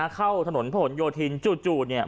เข้าถนนผนโยธินจู่เนี่ย